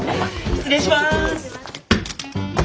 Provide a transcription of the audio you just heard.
失礼します。